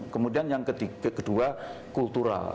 kemudian yang kedua kultural